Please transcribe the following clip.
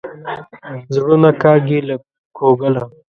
زړونه کاږي له کوګله.